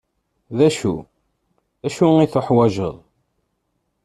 D acu? acu i teḥwaǧeḍ?